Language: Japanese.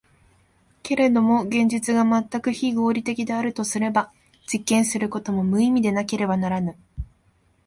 けれども現実が全く非合理的であるとすれば、実験することも無意味でなければならぬ。